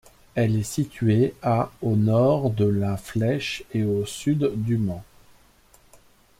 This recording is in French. Elle est située à au nord de La Flèche et au sud du Mans.